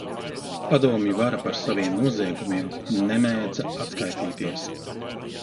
Padomju vara par saviem noziegumiem nemēdza atskaitīties.